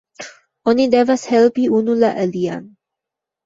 Oni devas helpi unu la alian.